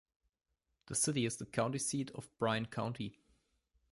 The city is the county seat of Bryan County.